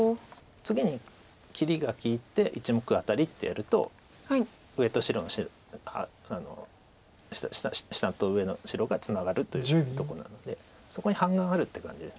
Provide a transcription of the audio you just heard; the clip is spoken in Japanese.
次に切りが利いて１目アタリってやると上と白の下と上の白がツナがるというとこなのでそこに半眼あるって感じです。